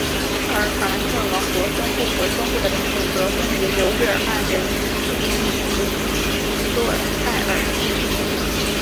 而法兰克王国东部和中部的领土则分别由日耳曼人路易及洛泰尔继承。